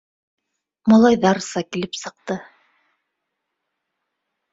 Малайҙарса килеп сыҡты